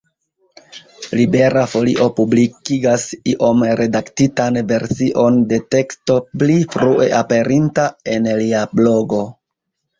Libera Folio publikigas iom redaktitan version de teksto pli frue aperinta en lia blogo.